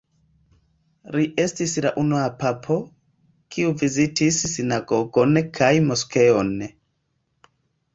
Li estis la unua papo, kiu vizitis sinagogon kaj moskeon.